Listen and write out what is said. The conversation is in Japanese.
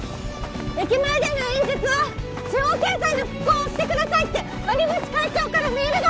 駅前での演説は地方経済の復興を押してくださいって鰐淵会長からメールが。